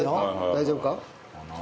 大丈夫か？